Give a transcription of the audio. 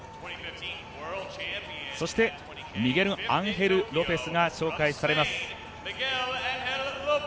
そしてミゲル・アンヘル・ロペスが紹介されます。